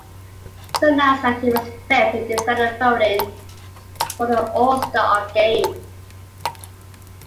It was announced that he was fifth in defender voting for the All-Star Game.